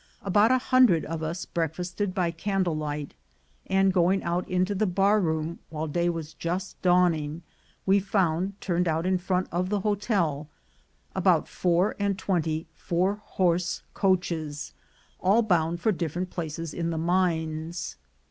About a hundred of us breakfasted by candle light, and, going out into the bar room while day was just dawning, we found, turned out in front of the hotel, about four and twenty four horse coaches, all bound for" different places in the mines.